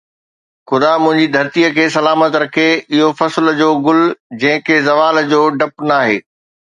خدا منهنجي ڌرتي کي سلامت رکي. اُهو فصل جو گل، جنهن کي زوال جو ڊپ ناهي